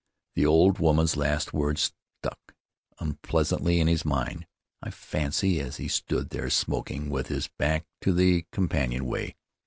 The old woman's last words stuck unpleasantly in his mind, I fancy, as he stood there smoking, with his back to the companionway.